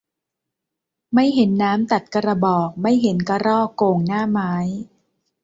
ไม่เห็นน้ำตัดกระบอก ไม่เห็นกระรอกโก่งหน้าไม้